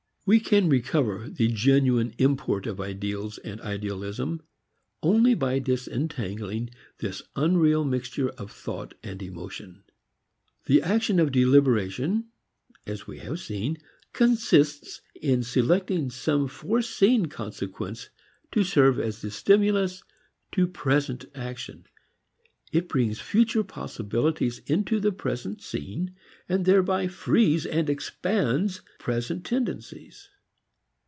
We can recover the genuine import of ideals and idealism only by disentangling this unreal mixture of thought and emotion. The action of deliberation, as we have seen, consists in selecting some foreseen consequence to serve as a stimulus to present action. It brings future possibilities into the present scene and thereby frees and expands present tendencies.